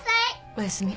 おやすみ。